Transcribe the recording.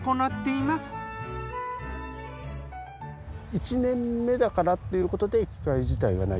１年目だからってことで機械自体がない？